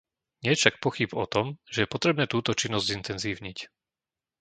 Niet však pochýb o tom, že je potrebné túto činnosť zintenzívniť.